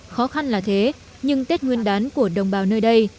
khó khăn là thế nhưng tết nguyên đán của đồng bào nơi đây